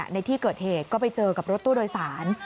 ในที่เกิดเหตุก็ไปเจอกับรถตู้โดยสาร